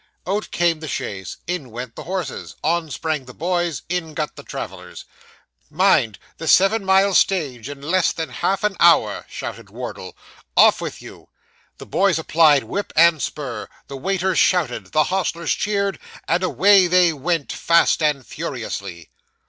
Out came the chaise in went the horses on sprang the boys in got the travellers. 'Mind the seven mile stage in less than half an hour!' shouted Wardle. 'Off with you!' The boys applied whip and spur, the waiters shouted, the hostlers cheered, and away they went, fast and furiously.